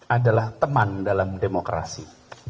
adalah teman dalam demokrasi